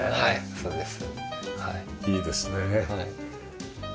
そうです。